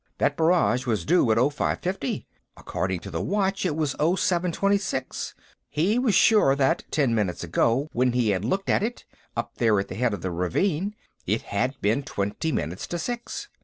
That barrage was due at 0550; according to the watch, it was 0726. He was sure that, ten minutes ago, when he had looked at it, up there at the head of the ravine, it had been twenty minutes to six.